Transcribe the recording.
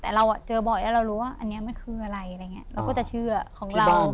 แต่เราเจอบ่อยแล้วเรารู้ว่าอันนี้ไม่คืออะไรเราก็จะเชื่อของเรา